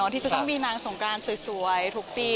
ที่จะต้องมีนางสงกรานสวยทุกปี